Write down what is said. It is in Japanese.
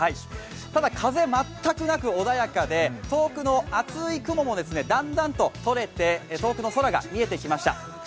風、全くなく穏やかで遠くの厚い雲もだんだんととれて遠くの空が見えてきました。